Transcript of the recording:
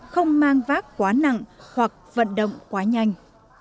không mang vác quá nặng hoặc vận động quá nhanh